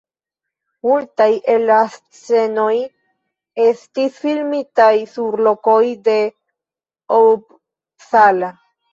Multaj el la scenoj estis filmitaj sur lokoj de Uppsala.